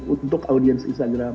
untuk audience instagram